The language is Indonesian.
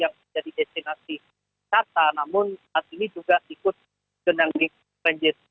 yang menjadi destinasi wisata namun saat ini juga ikut genangan banjir